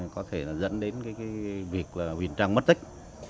có thể là dẫn đến việc huyền trang mất tích